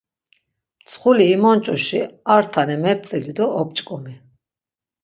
Mtsxuli imonç̌uşi ar tane mep̌tzili do op̌ç̌ǩomi.